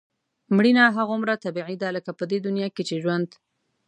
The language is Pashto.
مړینه هغومره طبیعي ده لکه په دې دنیا کې چې ژوند.